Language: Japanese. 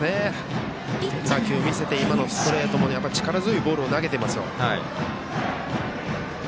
変化球を見せて今のストレートも力強いボールを投げていますよ。